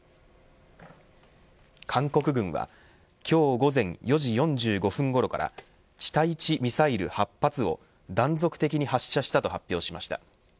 韓国軍は今日午前４時４５分ごろから地対地ミサイル８発を断続的に発射したと発表しました。